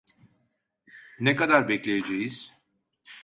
Ne kadar bekleyeceğiz?